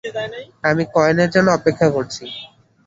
আমি কয়েনের জন্য অপেক্ষা করছি।